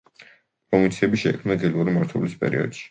პროვინციები შეიქმნა გელური მმართველობის პერიოდში.